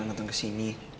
gak ngeten ke sini